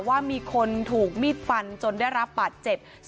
ว่ามีคนถูกมีดฟันจนได้รับบาดเจ็บ